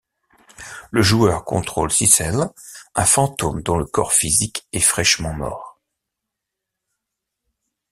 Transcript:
Le joueur contrôle Sissel, un fantôme dont le corps physique est fraîchement mort.